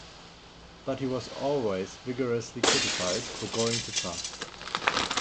But he was always vigorously criticized for going too far.